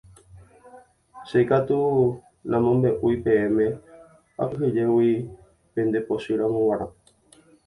Che katu namombe'úi peẽme akyhyjégui pendepochýramo g̃uarã.